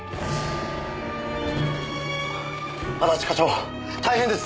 安達課長大変です！